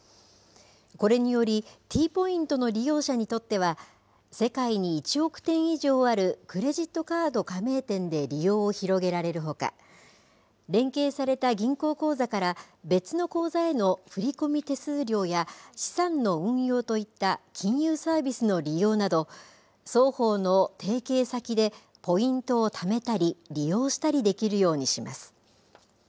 これにより、Ｔポイントの利用者にとっては、世界に１億店以上あるクレジットカード加盟店で利用を広げられるほか、連携された銀行口座から別の口座への振り込み手数料や、資産の運用といった金融サービスの利用など、双方の提携先でポイントをためたり、利用したりできるようにします。